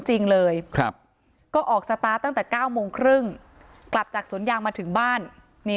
จริงเลยครับก็ออกสตาร์ทตั้งแต่๙โมงครึ่งกลับจากสวนยางมาถึงบ้านนี่